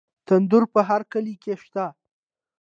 تندور په هر کلي کې شته.